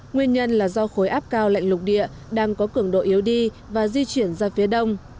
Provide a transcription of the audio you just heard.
nguyên nhân là do khối áp cao lạnh lục địa đang có cường độ yếu đi và di chuyển ra phía đông